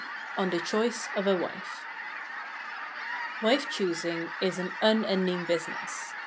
] ON THE CHOICE OF A WIFE Wife choosing is an unending business.